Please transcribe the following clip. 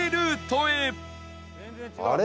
あれ？